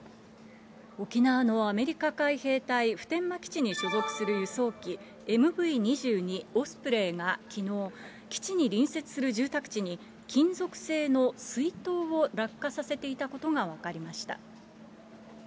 沖縄のアメリカ海兵隊普天間基地に所属する輸送機、ＭＶ２２オスプレイがきのう、基地に隣接する住宅地に金属製の水筒を落下させていたことが分かりました。